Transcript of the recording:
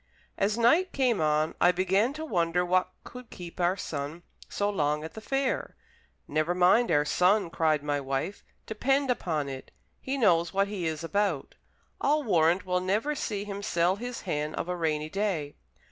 As night came on, I began to wonder what could keep our son so long at the fair. "Never mind our son," cried my wife, "depend upon it, he knows what he is about. I'll warrant we'll never see him sell his hen of a rainy day.